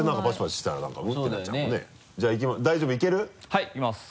はいいけます。